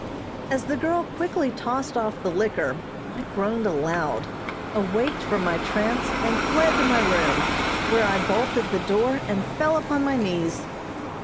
As the girl quickly tossed off the liquor, I groaned aloud, awaked from my trance, and fled to my room, where I bolted the door, and fell upon my knees.